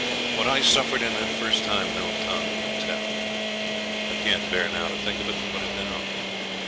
What I suffered in that first time no tongue can tell. I can't bear now to think of it and put it down.